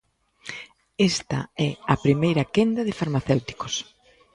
Esta é a primeira quenda de farmacéuticos.